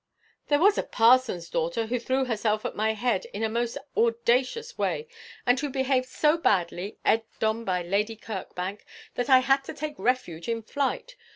'There was a parson's daughter who threw herself at my head in a most audacious way, and who behaved so badly, egged on by Lady Kirkbank, that I had to take refuge in flight.